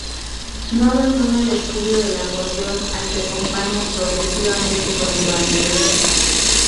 No abandona el estudio del acordeón al que acompaña progresivamente con el bandoneón.